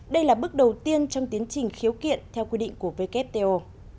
đây là bước đầu tiên trong tiến trình khiếu kiện theo quy định của wto